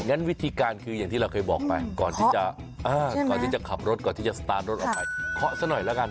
งั้นวิธีการคืออย่างที่เราเคยบอกไปก่อนที่จะก่อนที่จะขับรถก่อนที่จะสตาร์ทรถออกไปเคาะซะหน่อยแล้วกัน